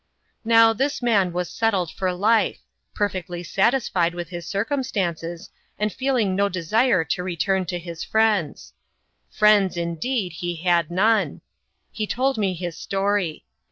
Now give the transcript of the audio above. N0T79 ^^ iii^^^^ ^AS settled for life, perfectly satisfied with his drcnmstances, and Ifeeliiig no desire to return to his friends. "f^ioids,*' indeed, he had none. He told me his history.